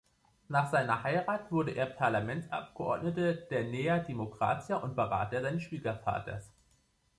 Nach seiner Heirat wurde er Parlamentsabgeordneter der Nea Dimokratia und Berater seines Schwiegervaters.